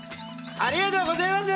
ありがとうごぜます！